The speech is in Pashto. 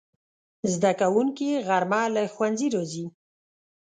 زدهکوونکي غرمه له ښوونځي راځي